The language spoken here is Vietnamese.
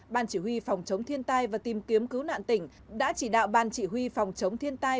ban chỉ huy phòng chống thiên tai và tìm kiếm cứu nạn tỉnh đã chỉ đạo ban chỉ huy phòng chống thiên tai